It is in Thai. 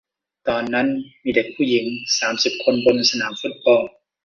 ตอนนั้นมีเด็กผู้หญิงสามสิบคนบนสนามฟุตบอล